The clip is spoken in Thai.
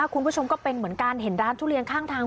คุณผู้ชมก็เป็นเหมือนกันเห็นร้านทุเรียนข้างทาง